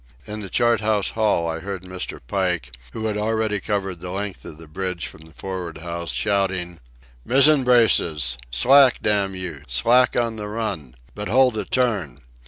In the chart house hall I heard Mr. Pike, who had already covered the length of the bridge from the for'ard house, shouting: "Mizzen braces! Slack, damn you! Slack on the run! But hold a turn!